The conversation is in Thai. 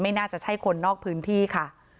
น่าจะใช่คนนอกพื้นที่ค่ะ